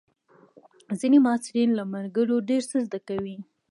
ځینې محصلین له ملګرو ډېر څه زده کوي.